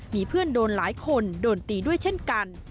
มีเพื่อนโดนหลายคนโดนตีด้วยเช่นกัน